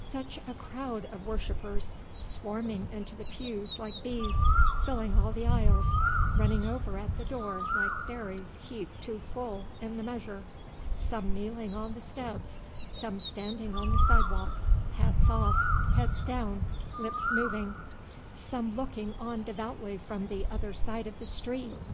Such a crowd of worshippers, swarming into the pews like bees, filling all the aisles, running over at the door like berries heaped too full in the measure, some kneeling on the steps, some standing on the sidewalk, hats off, heads down, lips moving, some looking on devoutly from the other side of the street!